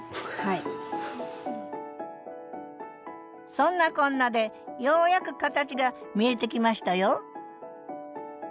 そんなこんなでようやく形が見えてきましたよ